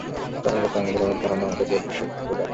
ক্রমাগত আমাদের অভাব বাড়ানো আমাদের রোগবিশেষ হইয়া দাঁড়াইয়াছে।